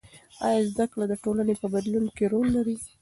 آیا زده کړه د ټولنې په بدلون کې رول لري؟